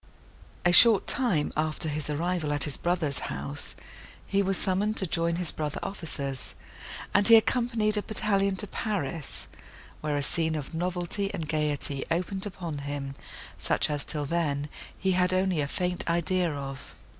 A short time after his arrival at his brother's house, he was summoned to join his brother officers, and he accompanied a battalion to Paris; where a scene of novelty and gaiety opened upon him, such as, till then, he had only a faint idea of.